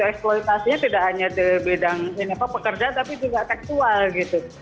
eksploitasinya tidak hanya di beda ini apa pekerja tapi juga seksual gitu